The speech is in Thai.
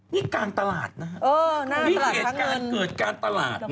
นี่การตลาดนะเออน่าตลาดทั้งเงินนี่เหตุการณ์เกิดการตลาดนะ